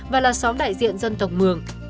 và là xóm đại diện dân tộc mường